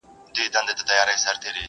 اباسین راغی غاړي غاړي!